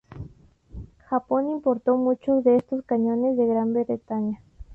Japón importó muchos de estos cañones de Gran Bretaña.